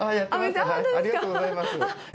ありがとうございます。